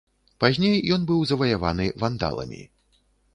Пазней ён быў заваяваны вандаламі.